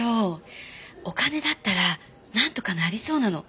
お金だったらなんとかなりそうなの。